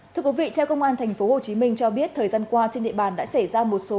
thưa quý vị theo công an tp hcm cho biết thời gian qua trên địa bàn đã xảy ra một số